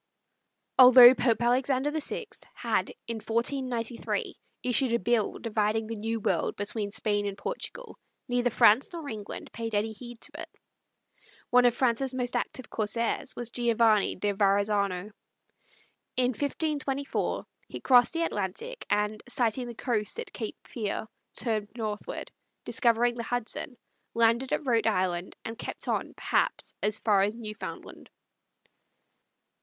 Although Pope Alexander VI had, in 1493, issued a bull dividing the New World between Spain and Portugal, neither France nor England paid any heed to it. One of France's most active corsairs was Giovanni da Verazzano. In 1524 he crossed the Atlantic, and, sighting the coast at Cape Fear, turned northward, discovered the Hudson, landed at Rhode Island, and kept on, perhaps, as far as Newfoundland.